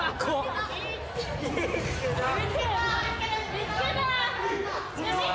見つけた。